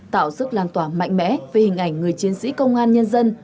tạo sức lan tỏa mạnh mẽ về hình ảnh người chiến sĩ công an nhân dân